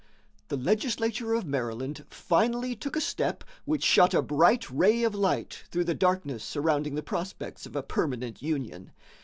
The legislature of Maryland finally took a step which shot a bright ray of light through the darkness surrounding the prospects of a permanent union.